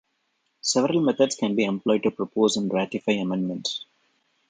Several methods can be employed to propose and ratify amendments.